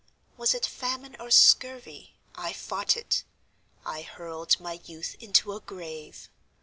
Was it famine or scurvy I fought it; I hurled my youth into a grave.